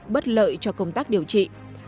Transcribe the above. bất lợi cho công tác điều trị